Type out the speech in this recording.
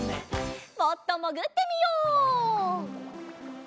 もっともぐってみよう。